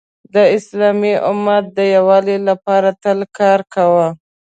د اسلامی امت د یووالي لپاره تل کار کوه .